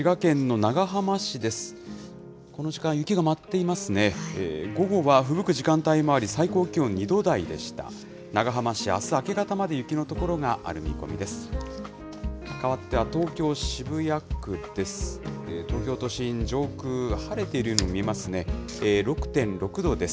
長浜市、あす明け方まで雪の所がある見込みです。